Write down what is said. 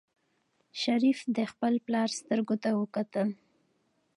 شریف د خپل پلار سترګو ته وکتل.